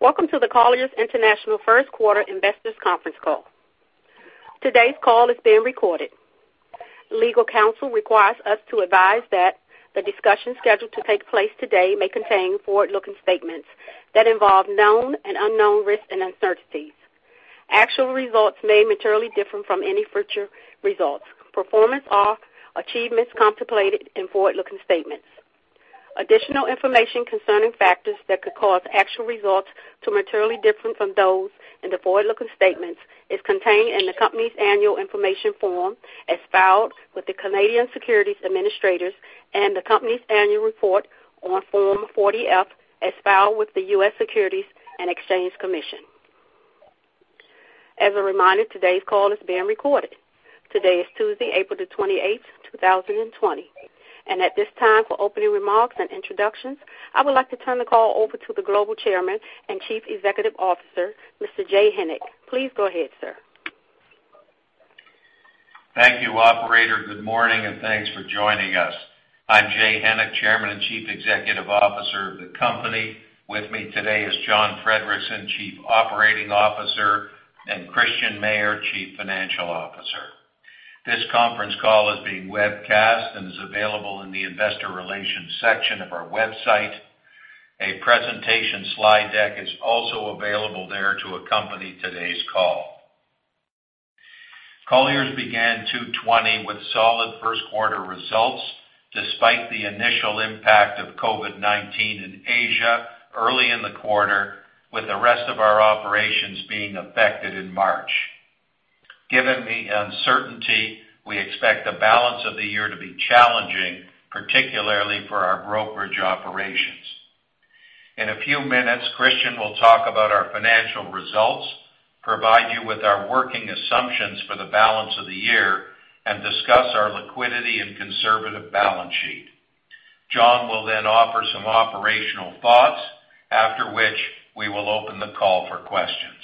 Welcome to the Colliers International First Quarter Investors Conference call. Today's call is being recorded. Legal counsel requires us to advise that the discussion scheduled to take place today may contain forward-looking statements that involve known and unknown risks and uncertainties. Actual results may materially differ from any future results, performance or achievements contemplated in forward-looking statements. Additional information concerning factors that could cause actual results to materially differ from those in the forward-looking statements is contained in the company's annual information form as filed with the Canadian Securities Administrators and the company's annual report on Form 40-F as filed with the U.S. Securities and Exchange Commission. As a reminder, today's call is being recorded. Today is Tuesday, April 28, 2020. At this time, for opening remarks and introductions, I would like to turn the call over to the Global Chairman and Chief Executive Officer, Mr. Jay Hennick. Please go ahead, sir. Thank you, operator. Good morning, and thanks for joining us. I'm Jay Hennick, Chairman and Chief Executive Officer of the company. With me today is John Friedrichsen, Chief Operating Officer, and Christian Mayer, Chief Financial Officer. This conference call is being webcast and is available in the investor relations section of our website. A presentation slide deck is also available there to accompany today's call. Colliers began 2020 with solid first-quarter results, despite the initial impact of COVID-19 in Asia early in the quarter, with the rest of our operations being affected in March. Given the uncertainty, we expect the balance of the year to be challenging, particularly for our brokerage operations. In a few minutes, Christian will talk about our financial results, provide you with our working assumptions for the balance of the year, and discuss our liquidity and conservative balance sheet. John will then offer some operational thoughts, after which we will open the call for questions.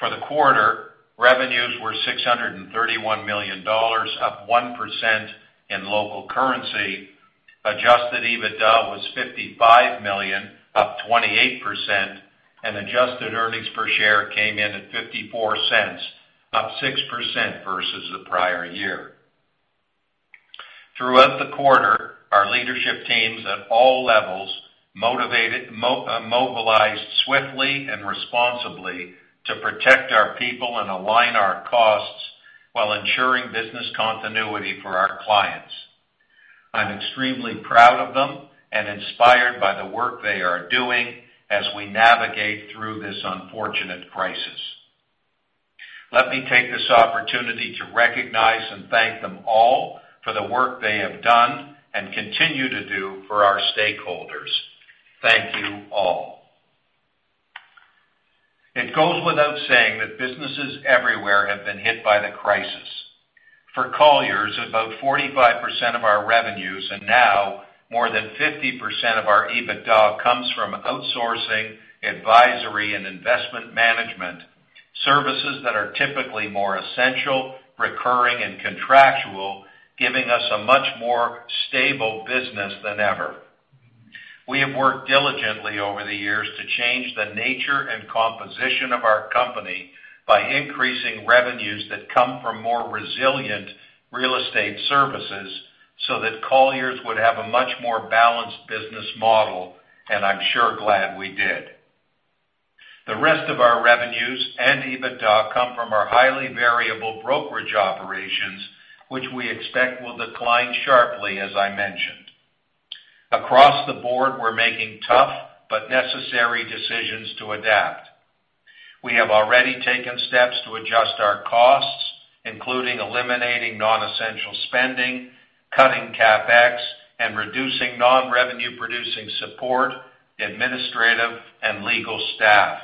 For the quarter, revenues were $631 million, up 1% in local currency. Adjusted EBITDA was $55 million, up 28%, and adjusted earnings per share came in at $0.54, up 6% versus the prior year. Throughout the quarter, our leadership teams at all levels mobilized swiftly and responsibly to protect our people and align our costs while ensuring business continuity for our clients. I'm extremely proud of them and inspired by the work they are doing as we navigate through this unfortunate crisis. Let me take this opportunity to recognize and thank them all for the work they have done and continue to do for our stakeholders. Thank you all. It goes without saying that businesses everywhere have been hit by the crisis. For Colliers, about 45% of our revenues, and now more than 50% of our EBITDA, comes from outsourcing, advisory, and investment management. Services that are typically more essential, recurring, and contractual, giving us a much more stable business than ever. We have worked diligently over the years to change the nature and composition of our company by increasing revenues that come from more resilient real estate services so that Colliers would have a much more balanced business model. I'm sure glad we did. The rest of our revenues and EBITDA come from our highly variable brokerage operations, which we expect will decline sharply, as I mentioned. Across the board, we're making tough but necessary decisions to adapt. We have already taken steps to adjust our costs, including eliminating non-essential spending, cutting CapEx, and reducing non-revenue-producing support, administrative, and legal staff.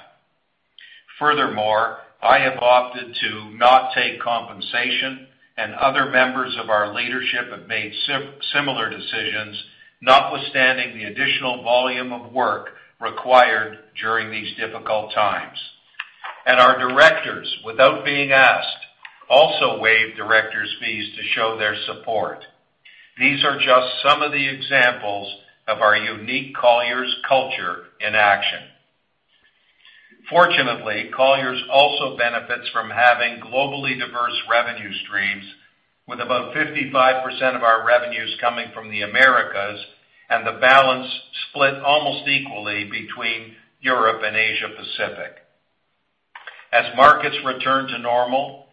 Furthermore, I have opted to not take compensation, and other members of our leadership have made similar decisions, notwithstanding the additional volume of work required during these difficult times. Our directors, without being asked, also waived directors' fees to show their support. These are just some of the examples of our unique Colliers culture in action. Fortunately, Colliers also benefits from having globally diverse revenue streams, with about 55% of our revenues coming from the Americas and the balance split almost equally between Europe and Asia Pacific. As markets return to normal,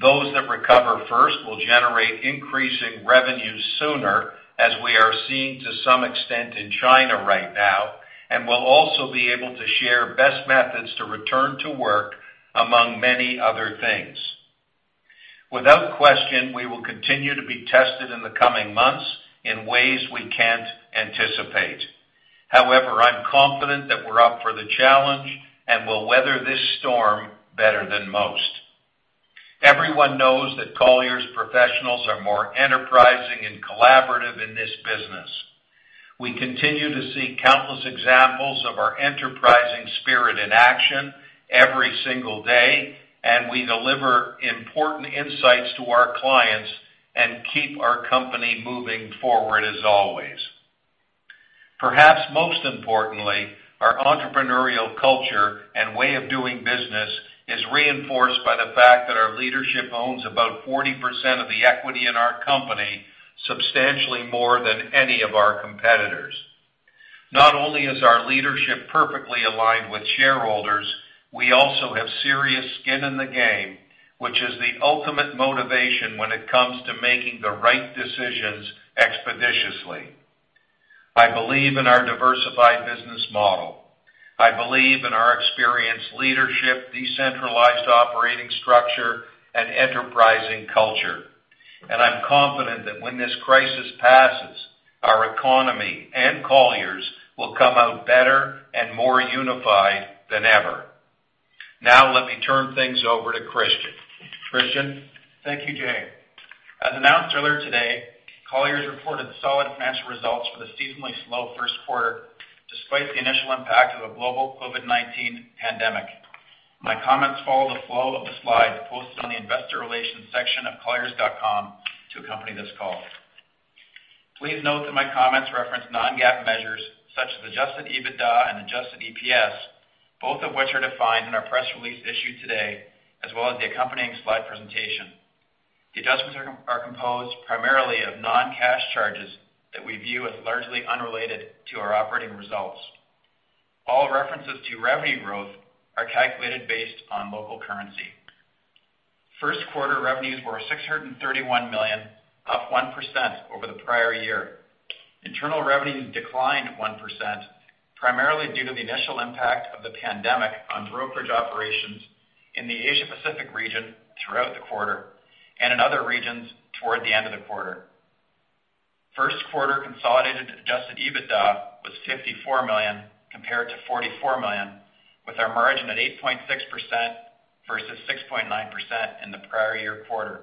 those that recover first will generate increasing revenues sooner, as we are seeing to some extent in China right now, and will also be able to share best methods to return to work, among many other things. Without question, we will continue to be tested in the coming months in ways we can't anticipate. However, I'm confident that we're up for the challenge and will weather this storm better than most. Everyone knows that Colliers professionals are more enterprising and collaborative in this business. We continue to see countless examples of our enterprising spirit in action every single day, we deliver important insights to our clients. Keep our company moving forward as always. Perhaps most importantly, our entrepreneurial culture and way of doing business is reinforced by the fact that our leadership owns about 40% of the equity in our company, substantially more than any of our competitors. Not only is our leadership perfectly aligned with shareholders, we also have serious skin in the game, which is the ultimate motivation when it comes to making the right decisions expeditiously. I believe in our diversified business model. I believe in our experienced leadership, decentralized operating structure, and enterprising culture. I'm confident that when this crisis passes, our economy and Colliers will come out better and more unified than ever. Now, let me turn things over to Christian. Christian? Thank you, Jay. As announced earlier today, Colliers reported solid financial results for the seasonally slow first quarter, despite the initial impact of the global COVID-19 pandemic. My comments follow the flow of the slides posted on the investor relations section of colliers.com to accompany this call. Please note that my comments reference non-GAAP measures such as adjusted EBITDA and adjusted EPS, both of which are defined in our press release issued today, as well as the accompanying slide presentation. The adjustments are composed primarily of non-cash charges that we view as largely unrelated to our operating results. All references to revenue growth are calculated based on local currency. First quarter revenues were $631 million, up 1% over the prior year. Internal revenues declined 1%, primarily due to the initial impact of the pandemic on brokerage operations in the Asia Pacific region throughout the quarter, and in other regions toward the end of the quarter. First quarter consolidated adjusted EBITDA was $54 million, compared to $44 million, with our margin at 8.6% versus 6.9% in the prior year quarter.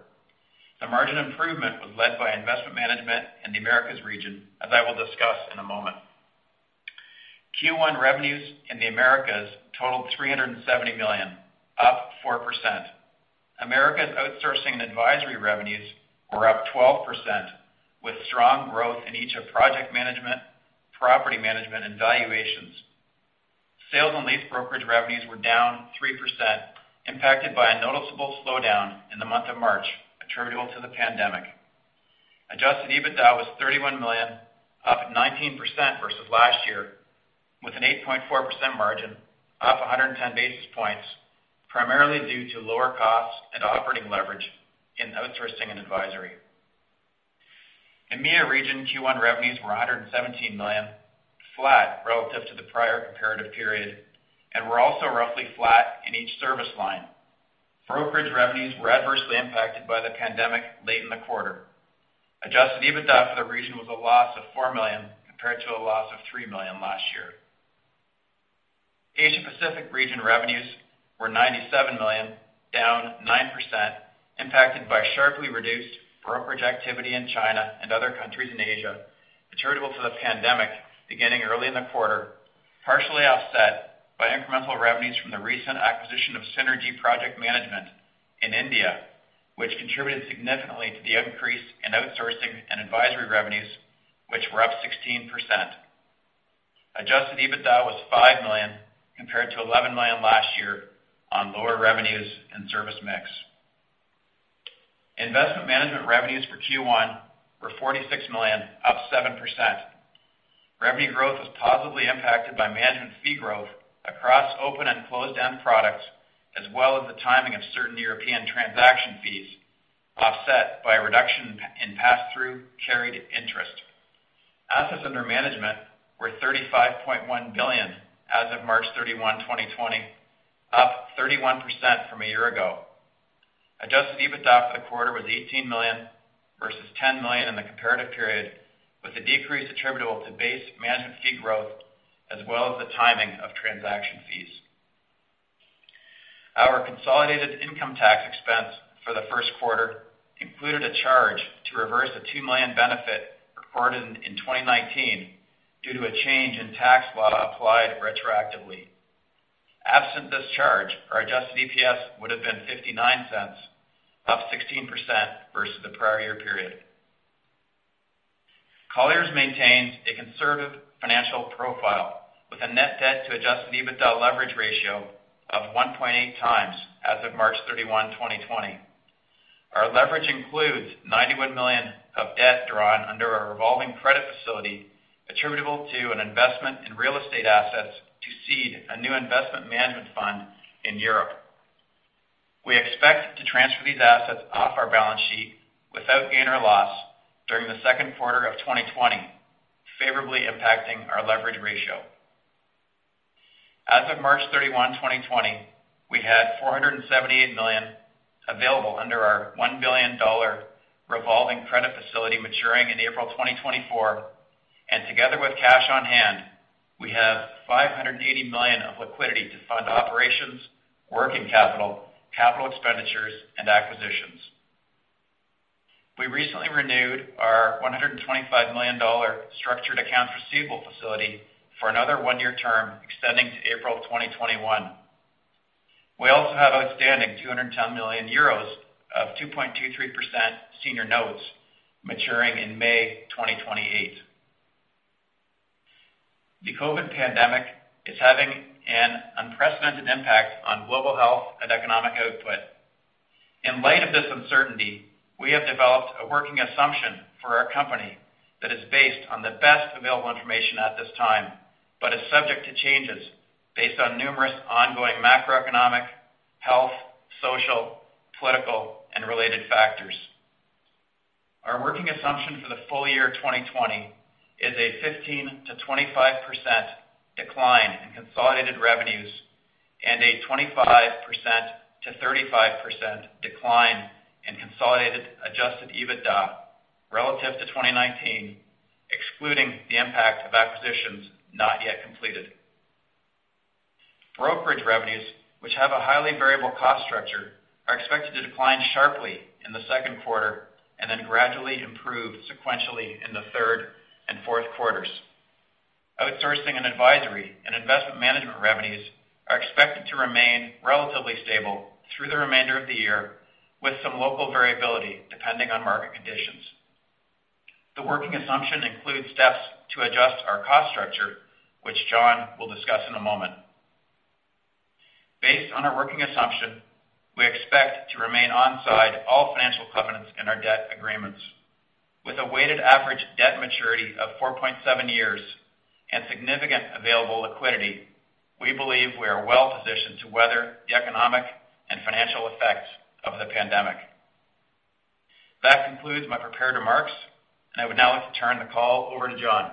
The margin improvement was led by investment management in the Americas region, as I will discuss in a moment. Q1 revenues in the Americas totaled $370 million, up 4%. Americas outsourcing and advisory revenues were up 12%, with strong growth in each of project management, property management, and valuations. Sales and lease brokerage revenues were down 3%, impacted by a noticeable slowdown in the month of March, attributable to the pandemic. Adjusted EBITDA was $31 million, up 19% versus last year, with an 8.4% margin, up 110 basis points, primarily due to lower costs and operating leverage in outsourcing and advisory. EMEA region Q1 revenues were $117 million, flat relative to the prior comparative period, and were also roughly flat in each service line. Brokerage revenues were adversely impacted by the pandemic late in the quarter. Adjusted EBITDA for the region was a loss of $4 million compared to a loss of $3 million last year. Asia Pacific region revenues were $97 million, down 9%, impacted by sharply reduced brokerage activity in China and other countries in Asia, attributable to the pandemic beginning early in the quarter, partially offset by incremental revenues from the recent acquisition of Synergy Project Management in India, which contributed significantly to the increase in Outsourcing & Advisory revenues, which were up 16%. Adjusted EBITDA was $5 million compared to $11 million last year on lower revenues and service mix. Investment management revenues for Q1 were $46 million, up 7%. Revenue growth was positively impacted by management fee growth across open and closed-end products, as well as the timing of certain European transaction fees, offset by a reduction in pass-through carried interest. Assets under management were $35.1 billion as of March 31, 2020, up 31% from a year ago. Adjusted EBITDA for the quarter was $18 million versus $10 million in the comparative period, with the decrease attributable to base management fee growth as well as the timing of transaction fees. Our consolidated income tax expense for the first quarter included a charge to reverse a $2 million benefit recorded in 2019 due to a change in tax law applied retroactively. Absent this charge, our adjusted EPS would have been $0.59, up 16% versus the prior year period. Colliers maintains a conservative financial profile with a net debt to adjusted EBITDA leverage ratio of 1.8 times as of March 31, 2020. Our leverage includes $91 million of debt drawn under our revolving credit facility attributable to an investment in real estate assets to seed a new investment management fund in Europe. We expect to transfer these assets off our balance sheet without gain or loss during the second quarter of 2020, favorably impacting our leverage ratio. As of March 31, 2020, we had $478 million available under our $1 billion revolving credit facility maturing in April 2024, and together with cash on hand, we have $580 million of liquidity to fund operations, working capital expenditures, and acquisitions. We recently renewed a $25 million structured accounts receivable facility for another one-year term, extending to April 2021. We also have outstanding 210 million euros of 2.23% senior notes maturing in May 2028. The COVID-19 pandemic is having an unprecedented impact on global health and economic output. In light of this uncertainty, we have developed a working assumption for our company that is based on the best available information at this time, but is subject to changes based on numerous ongoing macroeconomic, health, social, political, and related factors. Our working assumption for the full year 2020 is a 15%-25% decline in consolidated revenues and a 25%-35% decline in consolidated adjusted EBITDA relative to 2019, excluding the impact of acquisitions not yet completed. Brokerage revenues, which have a highly variable cost structure, are expected to decline sharply in the second quarter and then gradually improve sequentially in the third and fourth quarters. Outsourcing and advisory and investment management revenues are expected to remain relatively stable through the remainder of the year, with some local variability depending on market conditions. The working assumption includes steps to adjust our cost structure, which John will discuss in a moment. Based on our working assumption, we expect to remain onside all financial covenants in our debt agreements. With a weighted average debt maturity of 4.7 years and significant available liquidity, we believe we are well-positioned to weather the economic and financial effects of the pandemic. That concludes my prepared remarks, and I would now like to turn the call over to John.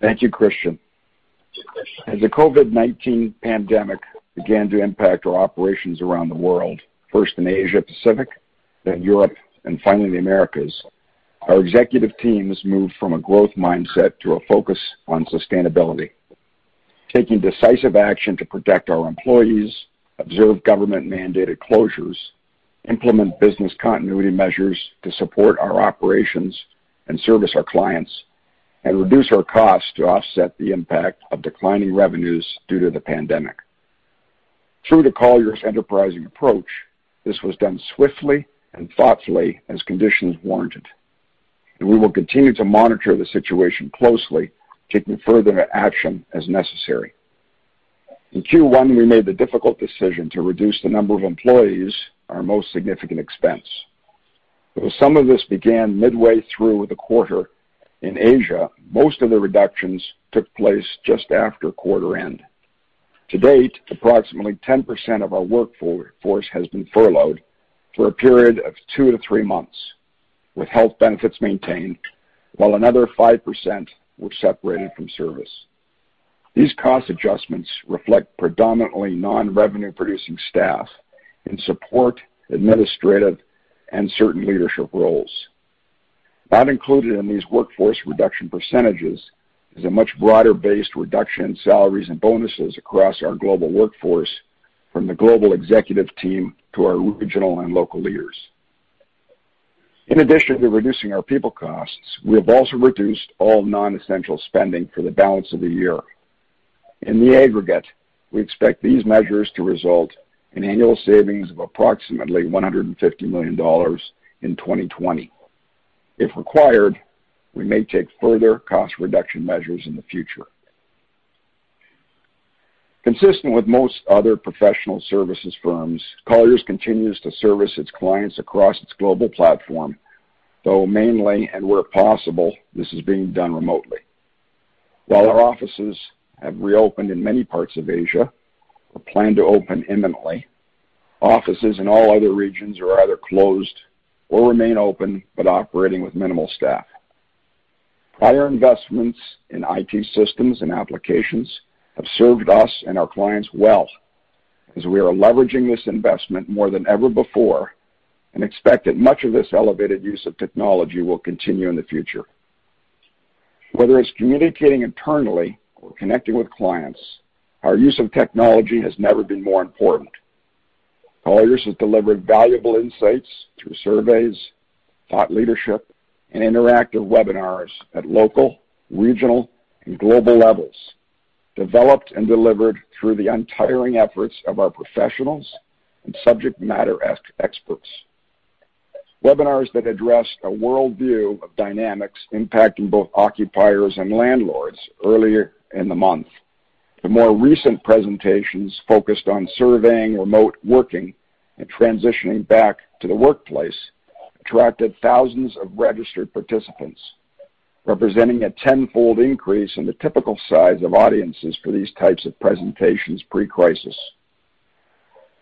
Thank you, Christian. As the COVID-19 pandemic began to impact our operations around the world, first in Asia Pacific, then Europe, and finally the Americas, our executive teams moved from a growth mindset to a focus on sustainability. Taking decisive action to protect our employees, observe government-mandated closures, implement business continuity measures to support our operations and service our clients, and reduce our costs to offset the impact of declining revenues due to the pandemic. Through the Colliers' enterprising approach, this was done swiftly and thoughtfully as conditions warranted. We will continue to monitor the situation closely, taking further action as necessary. In Q1, we made the difficult decision to reduce the number of employees, our most significant expense. Though some of this began midway through the quarter in Asia, most of the reductions took place just after quarter-end. To date, approximately 10% of our workforce has been furloughed for a period of two to three months, with health benefits maintained, while another 5% were separated from service. These cost adjustments reflect predominantly non-revenue-producing staff in support, administrative, and certain leadership roles. Not included in these workforce reduction percentages is a much broader-based reduction in salaries and bonuses across our global workforce from the global executive team to our regional and local leaders. In addition to reducing our people costs, we have also reduced all non-essential spending for the balance of the year. In the aggregate, we expect these measures to result in annual savings of approximately $150 million in 2020. If required, we may take further cost reduction measures in the future. Consistent with most other professional services firms, Colliers continues to service its clients across its global platform, though mainly and where possible, this is being done remotely. While our offices have reopened in many parts of Asia or plan to open imminently, offices in all other regions are either closed or remain open but operating with minimal staff. Prior investments in IT systems and applications have served us and our clients well as we are leveraging this investment more than ever before and expect that much of this elevated use of technology will continue in the future. Whether it's communicating internally or connecting with clients, our use of technology has never been more important. Colliers has delivered valuable insights through surveys, thought leadership, and interactive webinars at local, regional, and global levels, developed and delivered through the untiring efforts of our professionals and subject matter experts. Webinars that addressed a worldview of dynamics impacting both occupiers and landlords earlier in the month, and more recent presentations focused on surveying remote working and transitioning back to the workplace, attracted thousands of registered participants, representing a tenfold increase in the typical size of audiences for these types of presentations pre-crisis.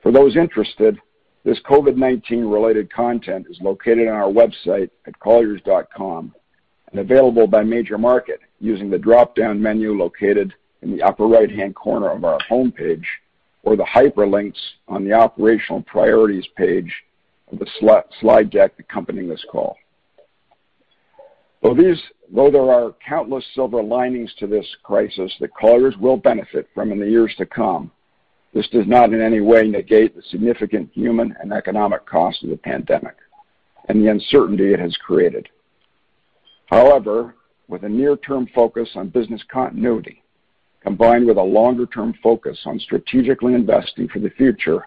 For those interested, this COVID-19-related content is located on our website at colliers.com and available by major market using the dropdown menu located in the upper right-hand corner of our homepage or the hyperlinks on the operational priorities page of the slide deck accompanying this call. While there are countless silver linings to this crisis that Colliers will benefit from in the years to come, this does not in any way negate the significant human and economic cost of the pandemic and the uncertainty it has created. However, with a near-term focus on business continuity, combined with a longer-term focus on strategically investing for the future,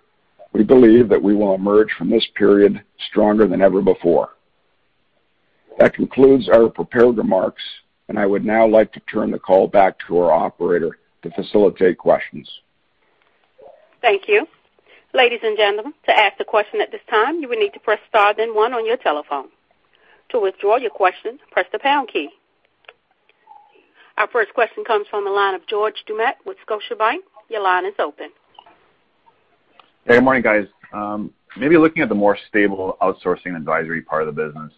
we believe that we will emerge from this period stronger than ever before. That concludes our prepared remarks, and I would now like to turn the call back to our operator to facilitate questions. Thank you. Ladies and gentlemen, to ask a question at this time, you will need to press star then one on your telephone. To withdraw your question, press the pound key. Our first question comes from the line of George Doumet with Scotiabank. Your line is open. Hey, good morning, guys. Looking at the more stable Outsourcing & Advisory part of the business,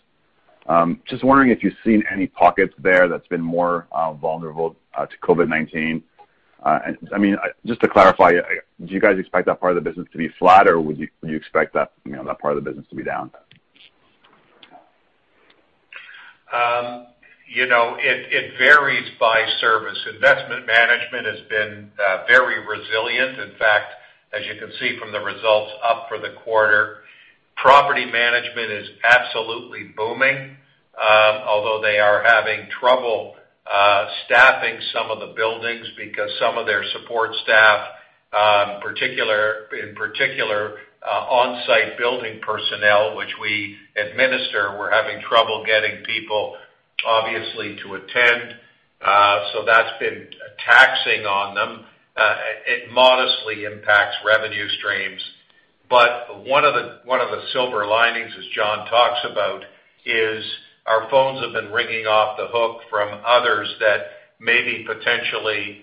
just wondering if you've seen any pockets there that's been more vulnerable to COVID-19. Just to clarify, do you guys expect that part of the business to be flat, or would you expect that part of the business to be down? It varies by service. Investment management has been very resilient. In fact, as you can see from the results, up for the quarter, property management is absolutely booming. Although they are having trouble staffing some of the buildings because some of their support staff, in particular on-site building personnel, which we administer, were having trouble getting people obviously to attend. That's been taxing on them. It modestly impacts revenue streams. One of the silver linings, as John talks about, is our phones have been ringing off the hook from others that maybe potentially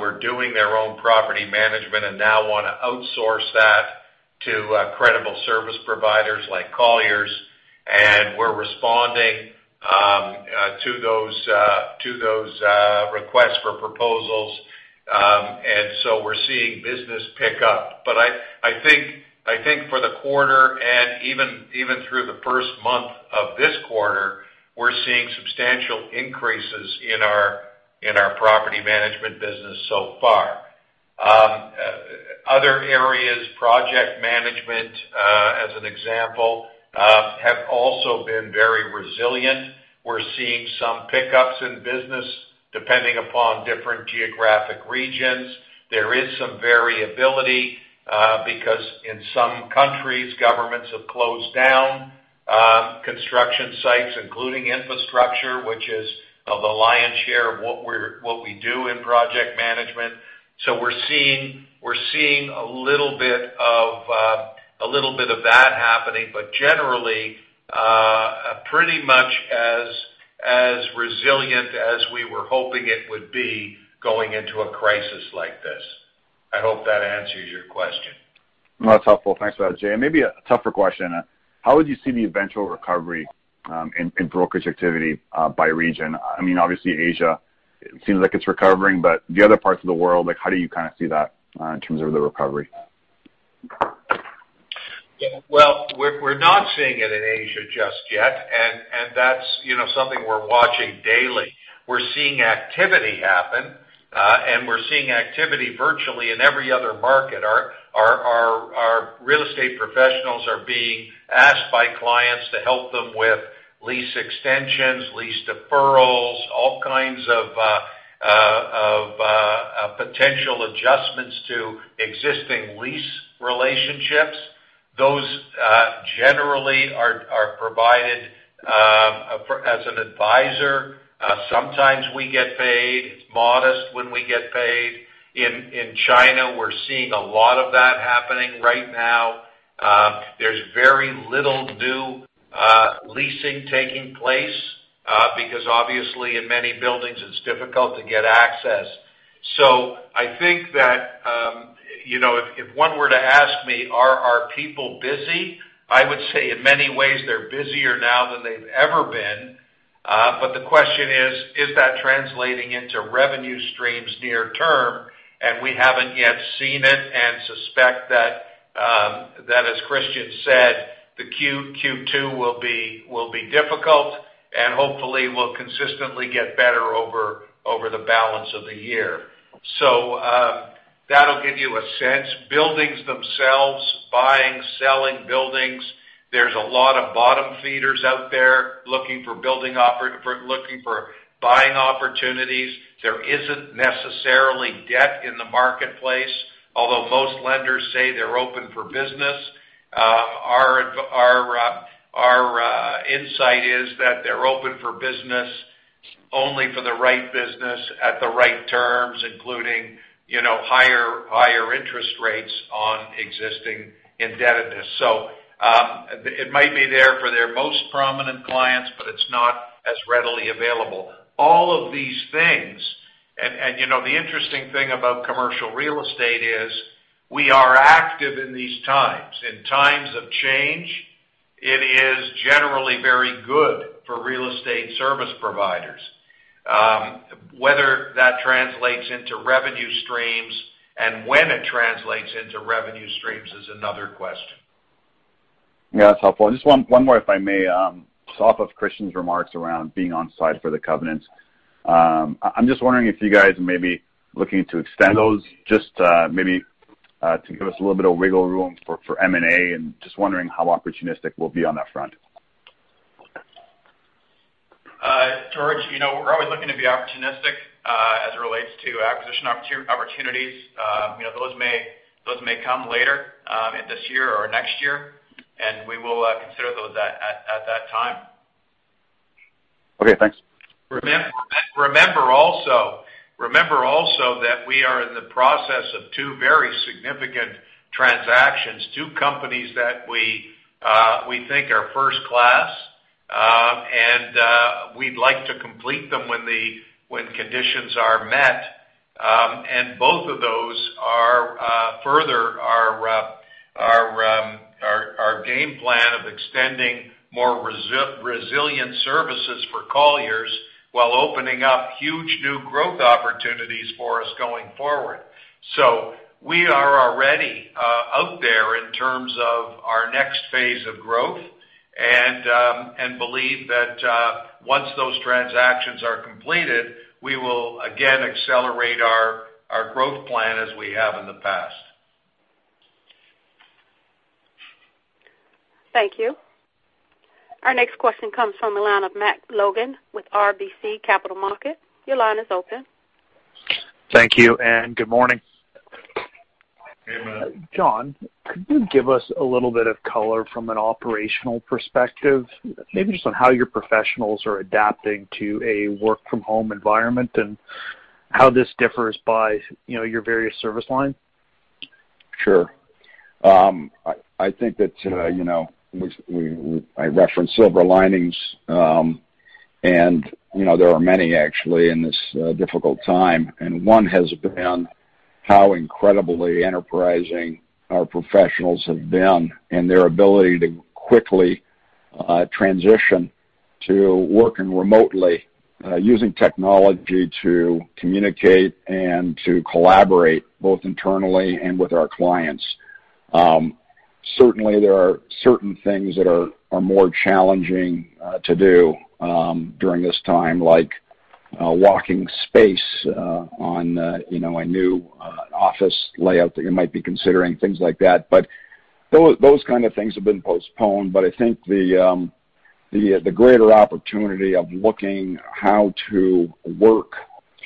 were doing their own property management and now want to outsource that to credible service providers like Colliers, and we're responding to those requests for proposals. We're seeing business pick up. I think for the quarter and even through the first month of this quarter, we're seeing substantial increases in our property management business so far. Other areas, project management, as an example, have also been very resilient. We're seeing some pickups in business depending upon different geographic regions. There is some variability because in some countries, governments have closed down construction sites, including infrastructure, which is the lion's share of what we do in project management. We're seeing a little bit of that happening, but generally, pretty much as resilient as we were hoping it would be going into a crisis like this. I hope that answers your question. That's helpful. Thanks for that, Jay. Maybe a tougher question. How would you see the eventual recovery in brokerage activity by region? Obviously, Asia seems like it's recovering, but the other parts of the world, how do you see that in terms of the recovery? Well, we're not seeing it in Asia just yet, and that's something we're watching daily. We're seeing activity happen, and we're seeing activity virtually in every other market. Our real estate professionals are being asked by clients to help them with lease extensions, lease deferrals, all kinds of potential adjustments to existing lease relationships. Those generally are provided as an advisor. Sometimes we get paid. It's modest when we get paid. In China, we're seeing a lot of that happening right now. There's very little new leasing taking place because obviously, in many buildings it's difficult to get access. I think that if one were to ask me, are our people busy? I would say in many ways they're busier now than they've ever been. The question is that translating into revenue streams near term? We haven't yet seen it and suspect that, as Christian said, the Q2 will be difficult and hopefully will consistently get better over the balance of the year. That'll give you a sense. Buildings themselves, buying, selling buildings, there's a lot of bottom feeders out there looking for buying opportunities. There isn't necessarily debt in the marketplace, although most lenders say they're open for business. Our insight is that they're open for business only for the right business at the right terms, including higher interest rates on existing indebtedness. It might be there for their most prominent clients, but it's not as readily available. All of these things, and the interesting thing about commercial real estate is we are active in these times. In times of change, it is generally very good for real estate service providers. Whether that translates into revenue streams and when it translates into revenue streams is another question. Yeah, that's helpful. Just one more, if I may. Just off of Christian's remarks around being on-side for the covenants. I'm just wondering if you guys are maybe looking to extend those, just maybe to give us a little bit of wiggle room for M&A, and just wondering how opportunistic we'll be on that front. George, we're always looking to be opportunistic, as it relates to acquisition opportunities. Those may come later in this year or next year, and we will consider those at that time. Okay, thanks. Remember also that we are in the process of two very significant transactions, two companies that we think are first-class. We'd like to complete them when conditions are met. Both of those further our game plan of extending more resilient services for Colliers while opening up huge new growth opportunities for us going forward. We are already out there in terms of our next phase of growth, and believe that once those transactions are completed, we will again accelerate our growth plan as we have in the past. Thank you. Our next question comes from the line of Matt Logan with RBC Capital Markets. Your line is open. Thank you, and good morning. Hey, Matt. John, could you give us a little bit of color from an operational perspective, maybe just on how your professionals are adapting to a work-from-home environment, and how this differs by your various service lines? Sure. I think that I referenced silver linings, and there are many actually in this difficult time. One has been how incredibly enterprising our professionals have been in their ability to quickly transition to working remotely, using technology to communicate and to collaborate both internally and with our clients. Certainly, there are certain things that are more challenging to do during this time, like walking space on a new office layout that you might be considering, things like that. Those kinds of things have been postponed. I think the greater opportunity of looking how to work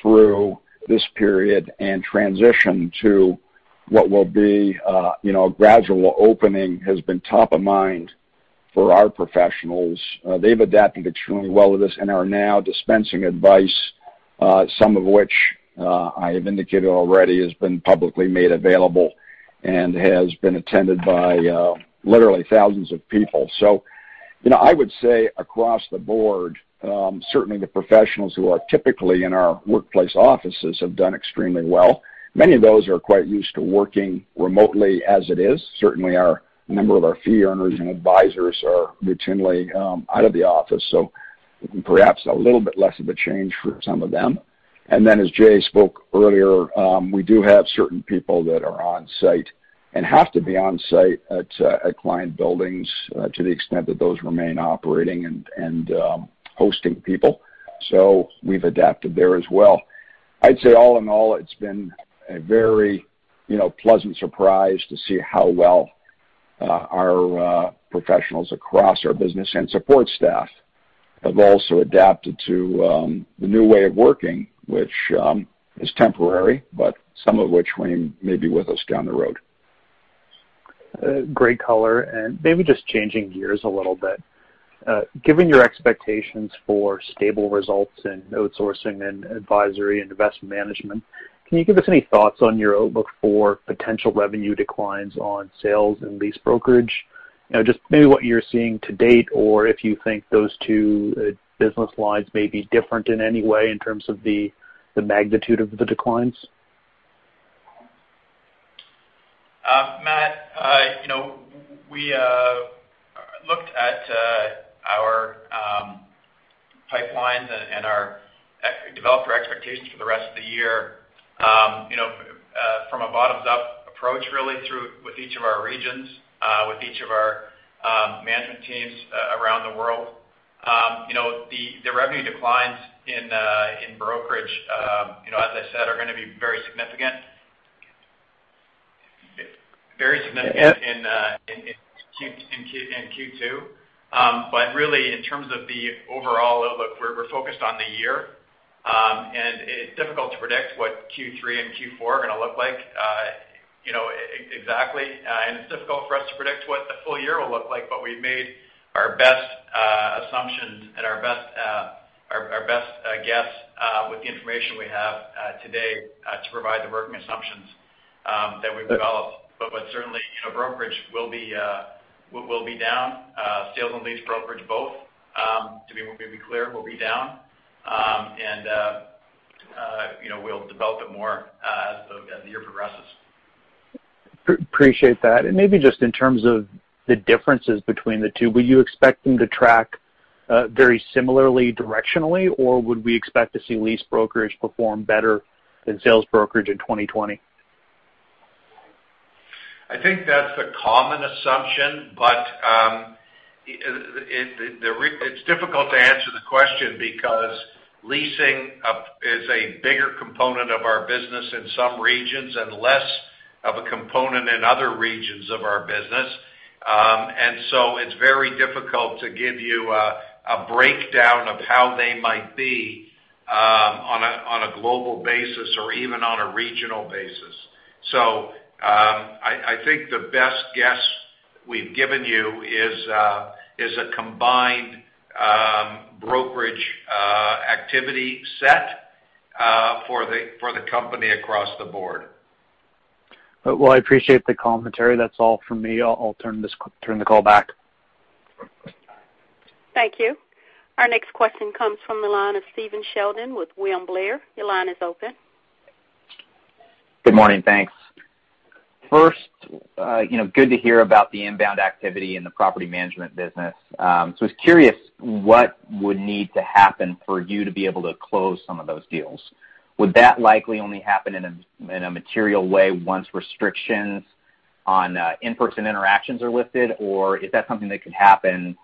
through this period and transition to what will be a gradual opening has been top of mind for our professionals. They've adapted extremely well to this and are now dispensing advice, some of which I have indicated already has been publicly made available and has been attended by literally thousands of people. I would say across the board, certainly, the professionals who are typically in our workplace offices have done extremely well. Many of those are quite used to working remotely as it is. Certainly, a number of our fee earners and advisors are routinely out of the office, so perhaps a little bit less of a change for some of them. As Jay spoke earlier, we do have certain people that are on site and have to be on site at client buildings to the extent that those remain operating and hosting people. We've adapted there as well. I'd say all in all, it's been a very pleasant surprise to see how well our professionals across our business and support staff have also adapted to the new way of working, which is temporary, but some of which may be with us down the road. Great color. Maybe just changing gears a little bit. Given your expectations for stable results in outsourcing and advisory, and investment management, can you give us any thoughts on your outlook for potential revenue declines on sales and lease brokerage? Just maybe what you're seeing to date or if you think those two business lines may be different in any way in terms of the magnitude of the declines. Matt, we looked at our pipelines and developed our expectations for the rest of the year from a bottom-up approach, really, with each of our regions, with each of our management teams around the world. The revenue declines in brokerage, as I said, are going to be very significant in Q2. Really, in terms of the overall outlook, we're focused on the year. It's difficult to predict what Q3 and Q4 are going to look like exactly. It's difficult for us to predict what the full year will look like. We've made our best assumptions and our best guess with the information we have today to provide the working assumptions that we've developed. Certainly, brokerage will be down. Sales and lease brokerage, both, to be clear, will be down. We'll develop it more as the year progresses. Appreciate that. Maybe just in terms of the differences between the two, will you expect them to track very similarly directionally, or would we expect to see lease brokerage perform better than sales brokerage in 2020? I think that's the common assumption, but it's difficult to answer the question because leasing is a bigger component of our business in some regions and less of a component in other regions of our business. It's very difficult to give you a breakdown of how they might be on a global basis or even on a regional basis. I think the best guess we've given you is a combined brokerage activity set for the company across the board. Well, I appreciate the commentary. That's all from me. I'll turn the call back. Thank you. Our next question comes from the line of Stephen Sheldon with William Blair. Your line is open. Good morning. Thanks. First, good to hear about the inbound activity in the property management business. I was curious what would need to happen for you to be able to close some of those deals. Would that likely only happen in a material way once restrictions on in-person interactions are lifted, or is that something that could happen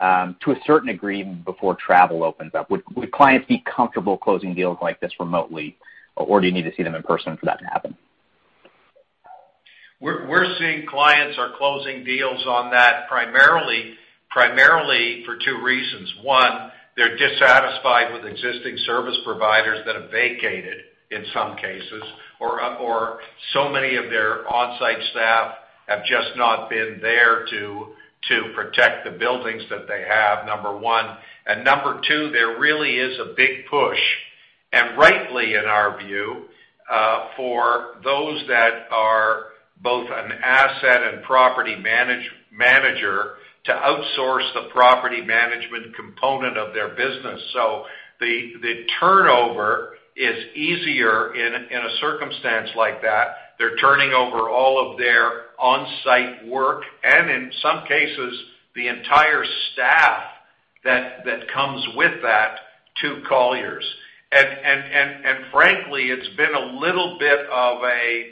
to a certain degree before travel opens up? Would clients be comfortable closing deals like this remotely, or do you need to see them in person for that to happen? We're seeing clients are closing deals on that primarily for two reasons. One, they're dissatisfied with existing service providers that have vacated in some cases, or so many of their on-site staff have just not been there to protect the buildings that they have, number one. Number two, there really is a big push, and rightly in our view, for those that are both an asset and property manager to outsource the property management component of their business. The turnover is easier in a circumstance like that. They're turning over all of their on-site work and, in some cases, the entire staff that comes with that to Colliers. Frankly, it's been a little bit of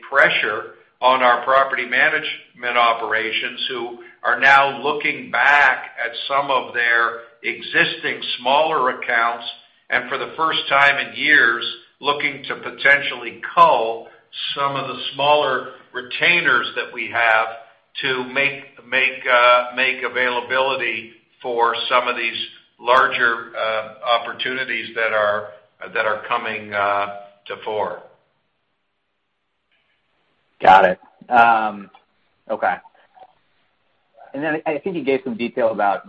pressure on our property management operations who are now looking back at some of their existing smaller accounts, and for the first time in years, looking to potentially cull some of the smaller retainers that we have to make availability for some of these larger opportunities that are coming to fore. Got it. Okay. I think you gave some details about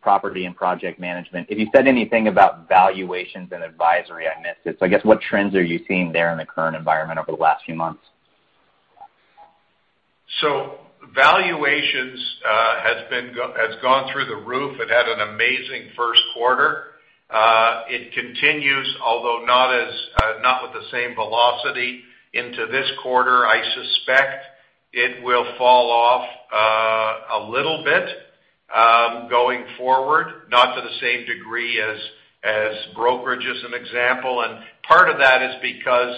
property and project management. If you said anything about valuations and advisory, I missed it. I guess what trends are you seeing there in the current environment over the last few months? Valuations has gone through the roof. It had an amazing first quarter. It continues, although not with the same velocity into this quarter. I suspect it will fall off a little bit going forward, not to the same degree as brokerage, as an example. Part of that is because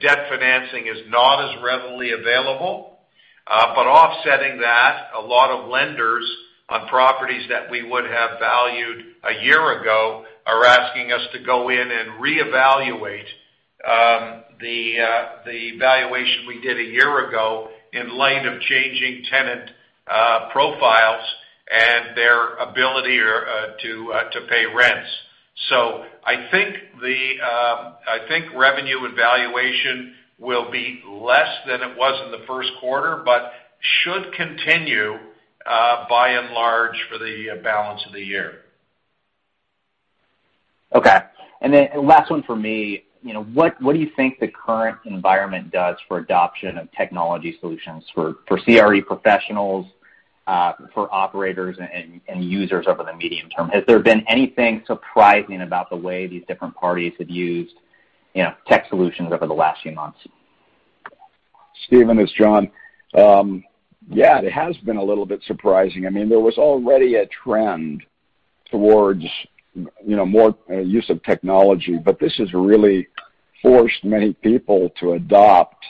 debt financing is not as readily available. Offsetting that, a lot of lenders on properties that we would have valued a year ago are asking us to go in and reevaluate the valuation we did a year ago in light of changing tenant profiles and their ability to pay rents. I think revenue and valuation will be less than it was in the first quarter, but should continue by and large for the balance of the year. Okay. Last one from me. What do you think the current environment does for adoption of technology solutions for CRE professionals, for operators and users over the medium term? Has there been anything surprising about the way these different parties have used tech solutions over the last few months? Stephen, it's John. Yeah, it has been a little bit surprising. There was already a trend towards more use of technology, but this has really forced many people to adopt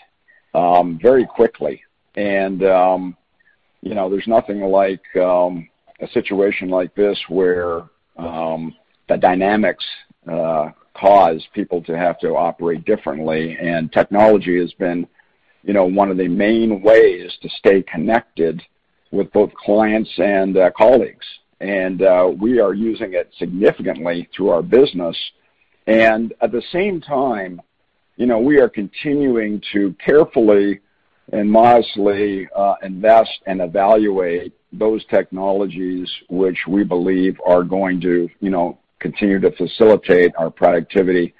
very quickly. There's nothing like a situation like this where the dynamics cause people to have to operate differently, and technology has been one of the main ways to stay connected with both clients and colleagues. We are using it significantly through our business. At the same time, we are continuing to carefully and modestly invest and evaluate those technologies which we believe are going to continue to facilitate our productivity,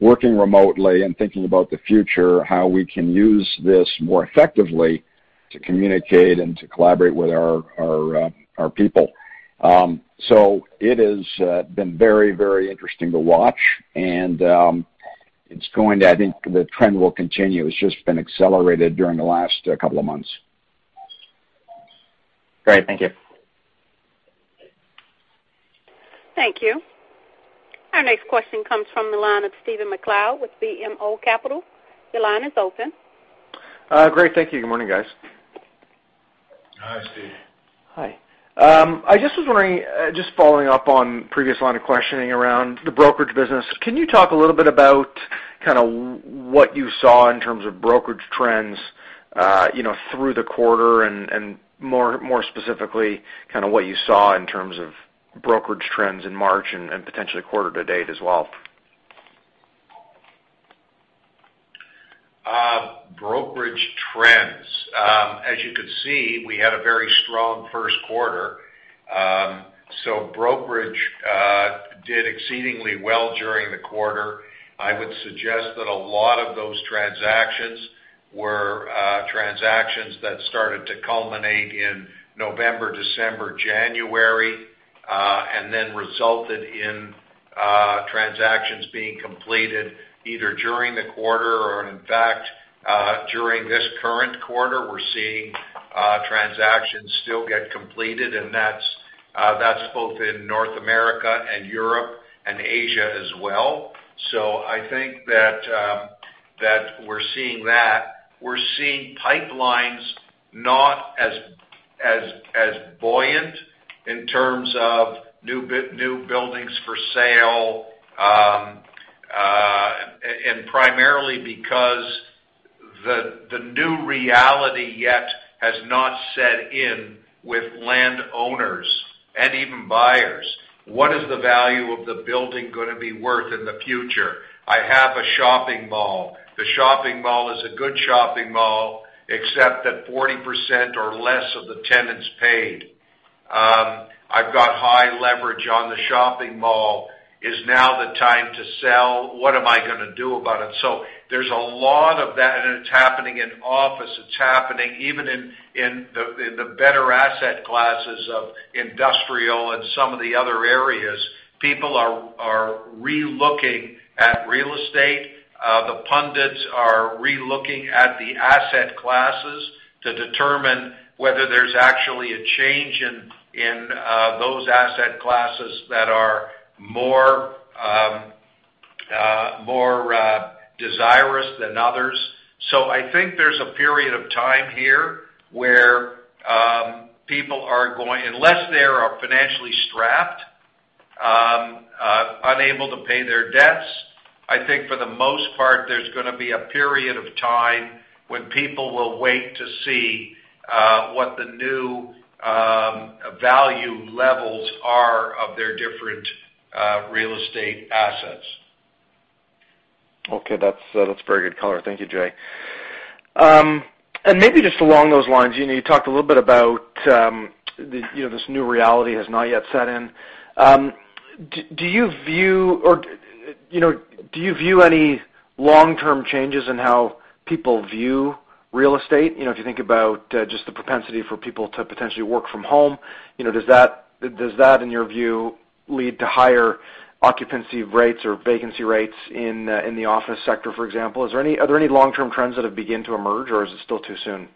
working remotely, and thinking about the future, how we can use this more effectively to communicate and to collaborate with our people. It has been very interesting to watch. I think the trend will continue. It's just been accelerated during the last couple of months. Great. Thank you. Thank you. Our next question comes from the line of Stephen MacLeod with BMO Capital Markets. Your line is open. Great. Thank you. Good morning, guys. Hi, Steve. Hi. I just was wondering, just following up on previous line of questioning around the brokerage business, can you talk a little bit about what you saw in terms of brokerage trends through the quarter and more specifically, what you saw in terms of brokerage trends in March and potentially quarter to date as well? Brokerage trends. As you can see, we had a very strong first quarter. Brokerage did exceedingly well during the quarter. I would suggest that a lot of those transactions were transactions that started to culminate in November, December, January, and then resulted in transactions being completed either during the quarter, or in fact, during this current quarter. We're seeing transactions still get completed, and that's both in North America and Europe and Asia as well. I think that we're seeing that. We're seeing pipelines not as buoyant in terms of new buildings for sale, and primarily because the new reality yet has not set in with landowners and even buyers. What is the value of the building going to be worth in the future? I have a shopping mall. The shopping mall is a good shopping mall, except that 40% or less of the tenants paid. I've got high leverage on the shopping mall. Is now the time to sell? What am I going to do about it? There's a lot of that, and it's happening in office. It's happening even in the better asset classes of industrial and some of the other areas. People are re-looking at real estate. The pundits are re-looking at the asset classes to determine whether there's actually a change in those asset classes that are more desirous than others. I think there's a period of time here where people, unless they are financially strapped, unable to pay their debts, I think for the most part, there's going to be a period of time when people will wait to see what the new value levels are of their different real estate assets. Okay. That's a very good color. Thank you, Jay. Maybe just along those lines, you talked a little bit about this new reality has not yet set in. Do you view any long-term changes in how people view real estate? If you think about just the propensity for people to potentially work from home, does that, in your view, lead to higher occupancy rates or vacancy rates in the office sector, for example? Are there any long-term trends that have begun to emerge, or is it still too soon?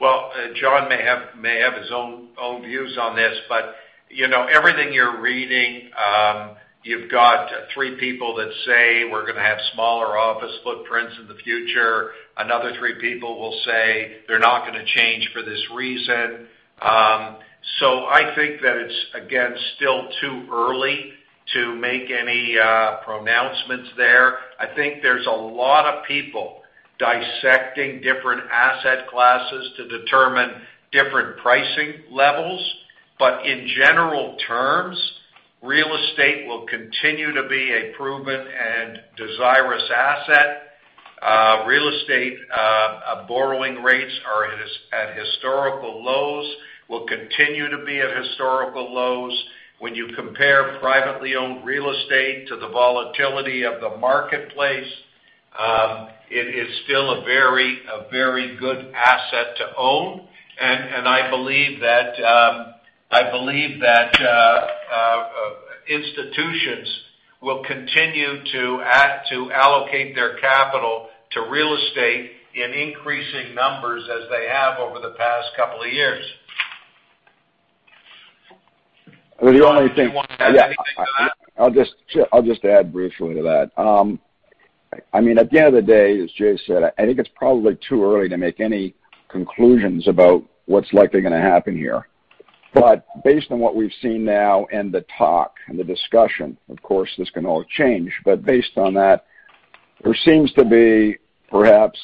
Well, John may have his own views on this, but everything you're reading, you've got three people that say we're going to have smaller office footprints in the future. Another three people will say they're not going to change for this reason. I think that it's, again, still too early to make any pronouncements there. I think there's a lot of people dissecting different asset classes to determine different pricing levels. In general terms, real estate will continue to be a proven and desirous asset. Real estate borrowing rates are at historical lows, will continue to be at historical lows. When you compare privately owned real estate to the volatility of the marketplace, it is still a very good asset to own, and I believe that institutions will continue to allocate their capital to real estate in increasing numbers as they have over the past couple of years. John, do you want to add anything to that? I'll just add briefly to that. At the end of the day, as Jay said, I think it's probably too early to make any conclusions about what's likely going to happen here. Based on what we've seen now and the talk and the discussion, of course, this can all change, but based on that, there seems to be perhaps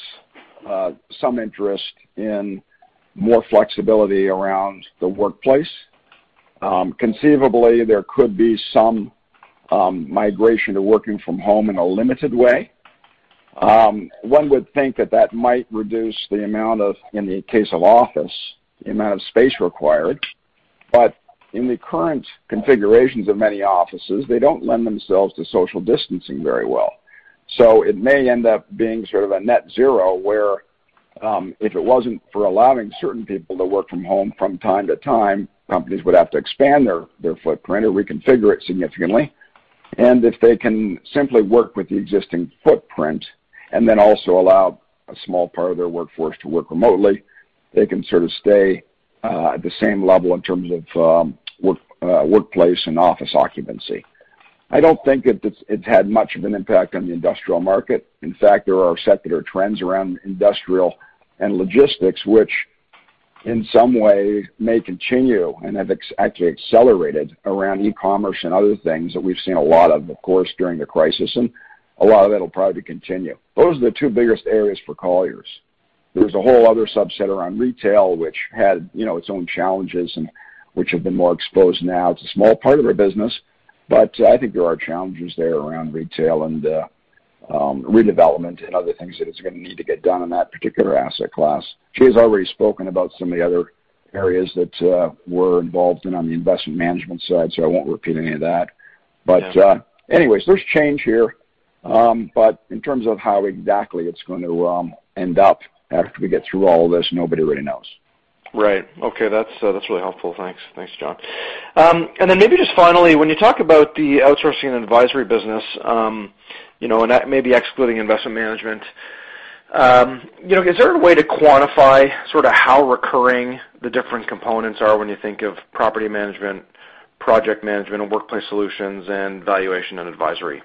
some interest in more flexibility around the workplace. Conceivably, there could be some migration to working from home in a limited way. One would think that that might reduce the amount of, in the case of office, the amount of space required. In the current configurations of many offices, they don't lend themselves to social distancing very well. It may end up being sort of a net zero, where if it wasn't for allowing certain people to work from home from time to time, companies would have to expand their footprint or reconfigure it significantly. If they can simply work with the existing footprint and then also allow a small part of their workforce to work remotely, they can sort of stay at the same level in terms of workplace and office occupancy. I don't think it's had much of an impact on the industrial market. In fact, there are secular trends around industrial and logistics, which in some way may continue and have actually accelerated around e-commerce and other things that we've seen a lot of course, during the crisis, and a lot of that'll probably continue. Those are the two biggest areas for Colliers. There's a whole other subset around retail, which had its own challenges and which have been more exposed now. It's a small part of our business, but I think there are challenges there around retail and redevelopment and other things that it's going to need to get done in that particular asset class. Jay's already spoken about some of the other areas that we're involved in on the investment management side, so I won't repeat any of that. Yeah. Anyways, there's change here. In terms of how exactly it's going to end up after we get through all this, nobody really knows. Right. Okay. That's really helpful. Thanks. Thanks, John. Maybe just finally, when you talk about the outsourcing and advisory business, and that may be excluding investment management, is there a way to quantify, sort of, how recurring the different components are when you think of property management, project management, and workplace solutions, and valuation and advisory?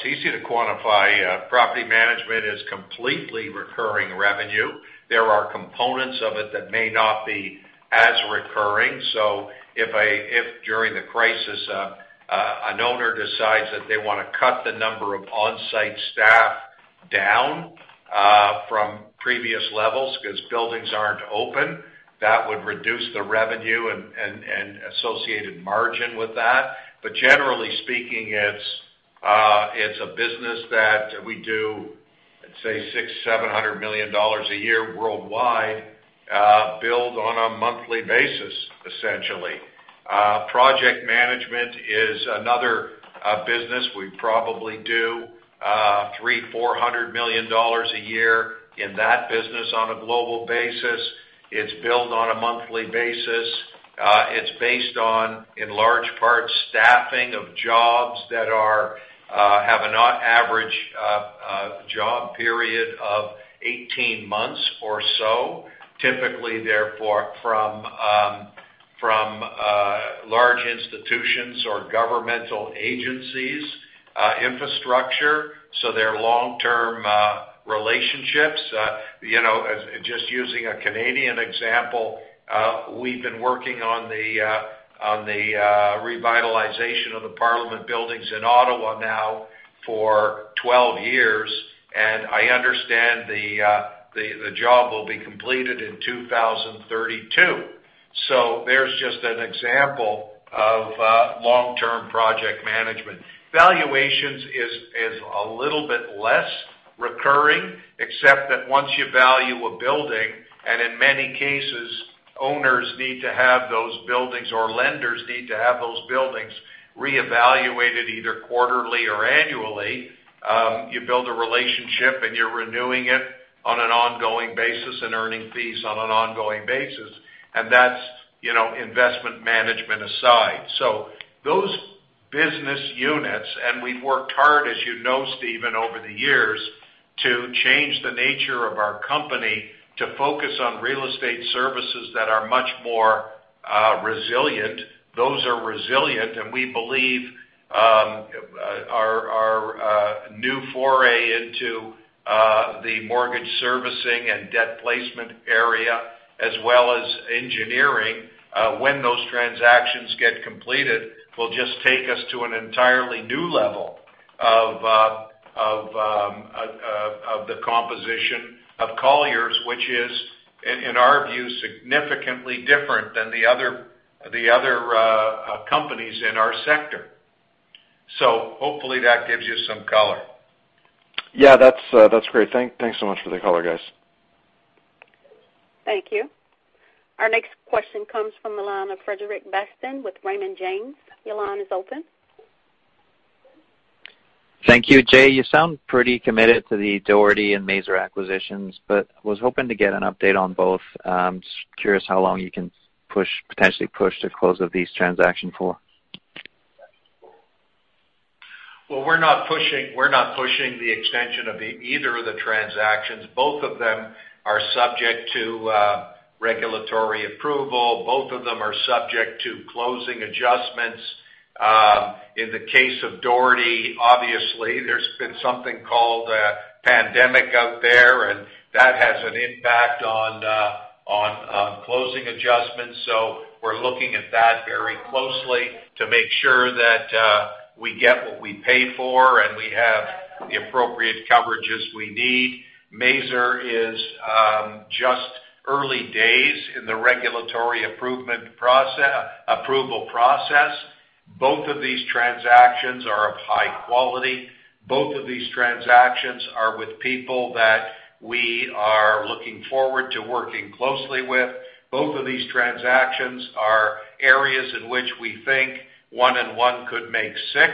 It's easy to quantify. Property management is completely recurring revenue. There are components of it that may not be as recurring. If during the crisis, an owner decides that they want to cut the number of on-site staff down from previous levels because buildings aren't open, that would reduce the revenue and associated margin with that. Generally speaking, it's a business that we do, let's say $600 million-$700 million a year worldwide, billed on a monthly basis, essentially. Project management is another business. We probably do $300 million-$400 million a year in that business on a global basis. It's billed on a monthly basis. It's based on, in large part, staffing of jobs that have an average job period of 18 months or so. Typically, they're from large institutions or governmental agencies, infrastructure. They're long-term relationships. Just using a Canadian example, we've been working on the revitalization of the parliament buildings in Ottawa now for 12 years, and I understand the job will be completed in 2032. There's just an example of long-term project management. Valuations is a little bit less recurring, except that once you value a building, and in many cases, owners need to have those buildings or lenders need to have those buildings reevaluated either quarterly or annually. You build a relationship, and you're renewing it on an ongoing basis and earning fees on an ongoing basis, and that's investment management aside. Those business units, and we've worked hard, as you know, Stephen, over the years to change the nature of our company to focus on real estate services that are much more resilient. Those are resilient, and we believe our new foray into the mortgage servicing and debt placement area, as well as engineering, when those transactions get completed, will just take us to an entirely new level of the composition of Colliers International Group, which is, in our view, significantly different than the other companies in our sector. Hopefully, that gives you some color. Yeah, that's great. Thanks so much for the color, guys. Thank you. Our next question comes from the line of Frederic Bastien with Raymond James. Your line is open. Thank you. Jay, you sound pretty committed to the Dougherty and Maser acquisitions, but I was hoping to get an update on both. Curious how long you can potentially push the close of each transaction for. We're not pushing the extension of either of the transactions. Both of them are subject to regulatory approval. Both of them are subject to closing adjustments. In the case of Dougherty, obviously, there's been something called a pandemic out there, and that has an impact on closing adjustments. We're looking at that very closely to make sure that we get what we pay for and we have the appropriate coverage we need. Maser is just early days in the regulatory approval process. Both of these transactions are of high quality. Both of these transactions are with people that we are looking forward to working closely with. Both of these transactions are areas in which we think one and one could make six.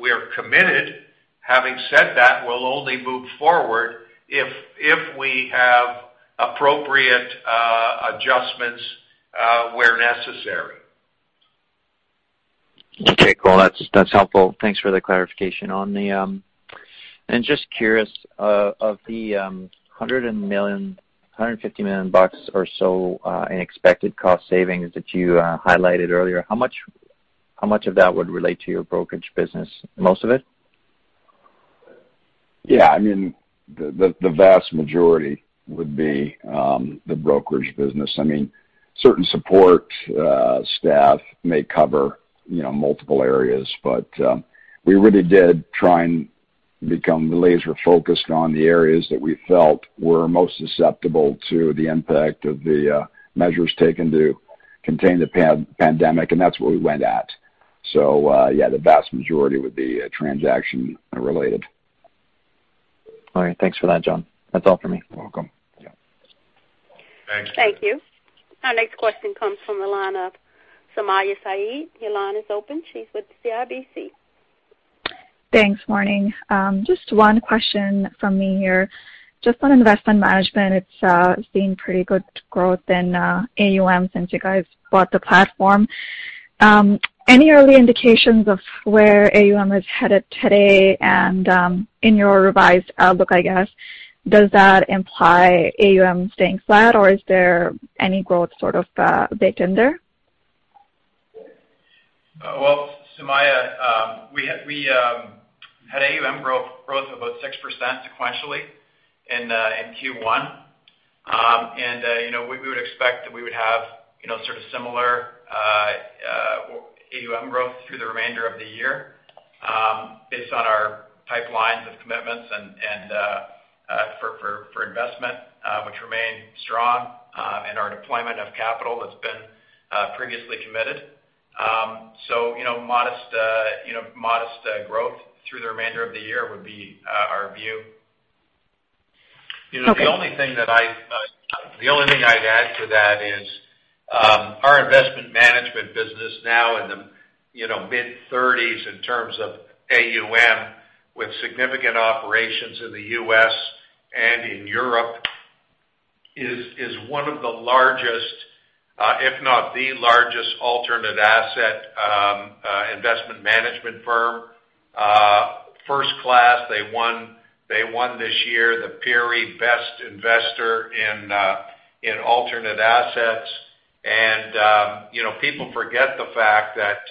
We're committed. Having said that, we'll only move forward if we have appropriate adjustments where necessary. Okay, cool. That's helpful. Thanks for the clarification. Just curious, of the $150 million or so in expected cost savings that you highlighted earlier, how much of that would relate to your brokerage business? Most of it? The vast majority would be the brokerage business. Certain support staff may cover multiple areas. We really did try and become laser-focused on the areas that we felt were most susceptible to the impact of the measures taken to contain the pandemic, and that's where we went at. The vast majority would be transaction-related. All right. Thanks for that, John. That's all for me. You're welcome. Yeah. Thanks. Thank you. Our next question comes from the line of Sumayya Syed. Your line is open. She's with CIBC. Thanks. Morning. Just one question from me here. Just on Investment Management, it's seen pretty good growth in AUMs since you guys bought the platform. Any early indications of where AUM is headed today? In your revised outlook, I guess, does that imply AUM staying flat, or is there any growth sort of baked in there? Well, Sumayya, we had AUM growth of about 6% sequentially in Q1. We would expect that we would have sort of similar AUM growth through the remainder of the year based on our pipelines of commitments for investment, which remain strong, and our deployment of capital that's been previously committed. Modest growth through the remainder of the year would be our view. Okay. The only thing I'd add to that is our Investment Management business now in the mid-30s in terms of AUM, with significant operations in the U.S. and in Europe, is one of the largest, if not the largest alternate asset investment management firms, first-class. They won this year the PERE Best Investor in alternate assets. People forget the fact that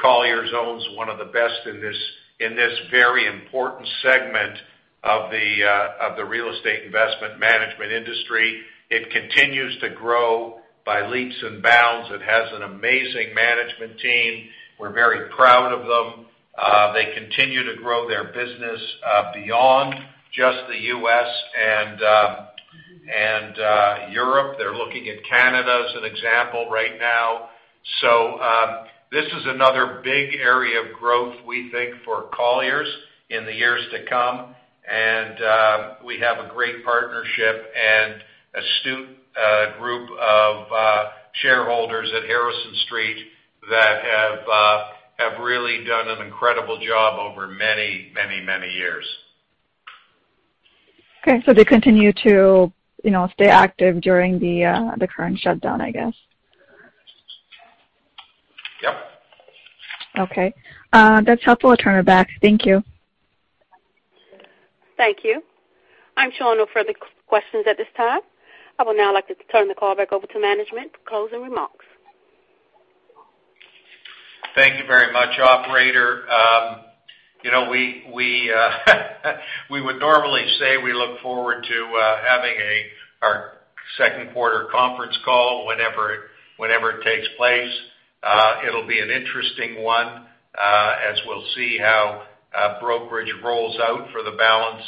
Colliers owns one of the best in this very important segment of the real estate investment management industry. It continues to grow by leaps and bounds. It has an amazing management team. We're very proud of them. They continue to grow their business beyond just the U.S. and Europe. They're looking at Canada as an example right now. This is another big area of growth, we think, for Colliers in the years to come. We have a great partnership and astute group of shareholders at Harrison Street that have really done an incredible job over many, many, many years. Okay, they continue to stay active during the current shutdown, I guess. Yep. Okay. That's helpful. I'll turn it back. Thank you. Thank you. I'm showing no further questions at this time. I would now like to turn the call back over to management for closing remarks. Thank you very much, operator. We would normally say we look forward to having our second quarter conference call whenever it takes place. It'll be an interesting one as we'll see how brokerage rolls out for the balance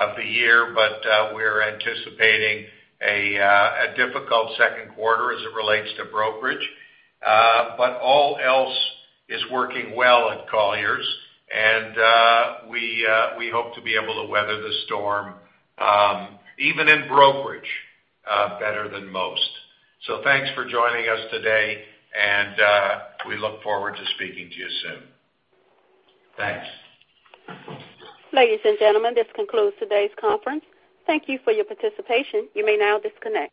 of the year. We're anticipating a difficult second quarter as it relates to brokerage. All else is working well at Colliers, and we hope to be able to weather the storm, even in brokerage, better than most. Thanks for joining us today, and we look forward to speaking to you soon. Thanks. Ladies and gentlemen, this concludes today's conference. Thank you for your participation. You may now disconnect.